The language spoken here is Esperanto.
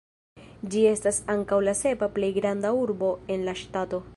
Ĝi estas ankaŭ la sepa plej granda urbo en la ŝtato.